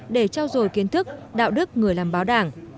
để trao dồi kiến thức đạo đức người làm báo đảng